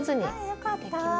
よかった。